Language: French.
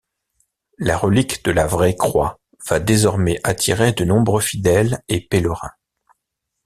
La relique de la Vraie Croix va désormais attirer de nombreux fidèles et pèlerins.